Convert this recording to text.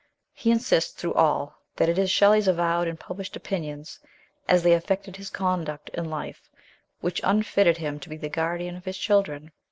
He insists through all that it is Shelley's avowed and published opinions, as they affected his conduct in life, which unfitted him to be the guardian of his children.